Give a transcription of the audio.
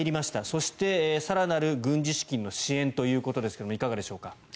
そして、更なる軍事資金の支援ということですがいかがでしょうか。